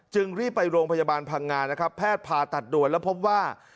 รีบไปโรงพยาบาลพังงานะครับแพทย์ผ่าตัดด่วนแล้วพบว่า